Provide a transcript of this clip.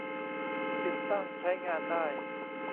ติดตั้งใช้งานได้